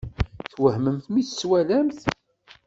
Twehmemt mi tt-twalamt?